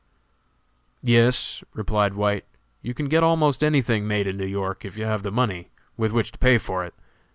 "Yes," replied White, "you can get almost any thing made in New York if you have the money with which to pay for it.